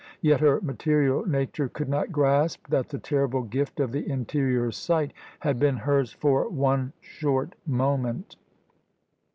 Yet her material nature could not grasp that the terrible gift of the interior sight had been hers for one short moment.